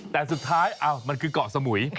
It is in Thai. แต่สุดท้ายมันคือเกาะสมุย